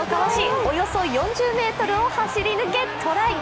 およそ４０ｍを走り抜け、トライ。